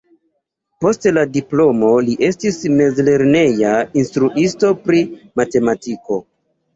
Post la diplomo li estis mezlerneja instruisto pri matematiko.